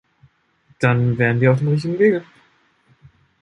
Dann wären wir auf dem richtigen Wege.